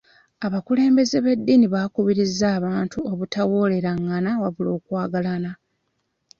Abakulembeze b'eddiini bakubiriza abantu obutawooleragana wabula okwagalana.